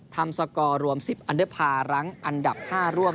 สกอร์รวม๑๐อันเดอร์พาร์รั้งอันดับ๕ร่วม